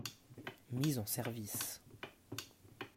Mise en service.